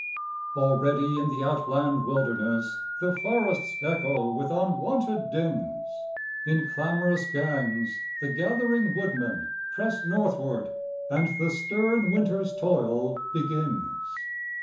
Already in the outland wilderness The forests echo with unwonted dins; In clamorous gangs the gathering woodmen press Northward, and the stern winter's toil begins.